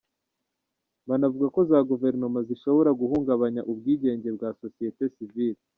Banavuga ko za Guverinoma zishobora guhungabanya ubwigenge bwa za Sosiyete sivile.